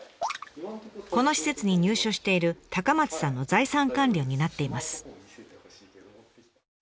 この施設に入所している松さんの財産管理を担っています。